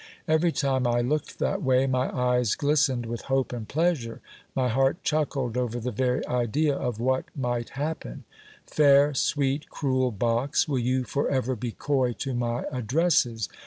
Every time I looked that way, my eyes glistened with hope and pleasure ; my heart chuckled over the very idea of what might happen : Fair, sweet, cruel box, will you for ever be coy to my addresses